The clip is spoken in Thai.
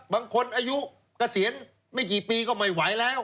บางคนอายุเกษียณไม่กี่ปีก็ไม่ไหวแล้ว